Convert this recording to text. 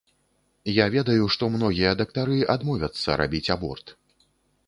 Я ведаю, што многія дактары адмовяцца рабіць аборт.